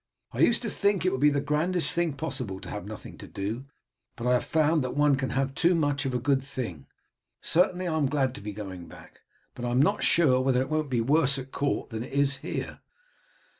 I used to think it would be the grandest thing possible to have nothing to do, but I have found that one can have too much of a good thing. Certainly I am glad to be going back, but I am not sure whether it won't be worse at court than it is here."